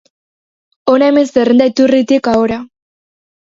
Hona hemen zerrenda iturritik ahora.